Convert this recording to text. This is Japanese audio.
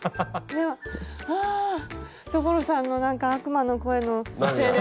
いやあ所さんのなんか悪魔の声のせいで。